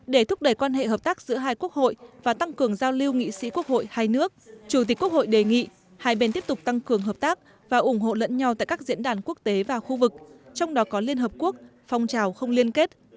để thúc đẩy quan hệ hợp tác giữa hai quốc hội và tăng cường giao lưu nghị sĩ quốc hội hai nước chủ tịch quốc hội đề nghị hai bên tiếp tục tăng cường hợp tác và ủng hộ lẫn nhau tại các diễn đàn quốc tế và khu vực trong đó có liên hợp quốc phong trào không liên kết